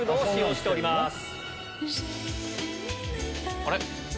あれ？